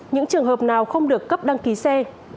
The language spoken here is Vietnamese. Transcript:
những trường hợp nào không được cấp đăng ký xe